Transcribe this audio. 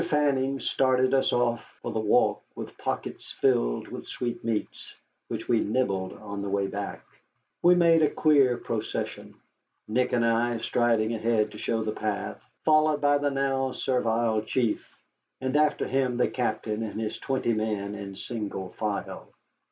Fanning started us off for the walk with pockets filled with sweetmeats, which we nibbled on the way back. We made a queer procession, Nick and I striding ahead to show the path, followed by the now servile chief, and after him the captain and his twenty men in single file.